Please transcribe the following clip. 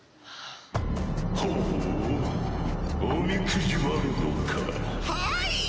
はい！